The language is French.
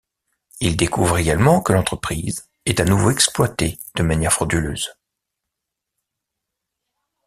Il découvre également que l'entreprise est à nouveau exploitée de manière frauduleuse.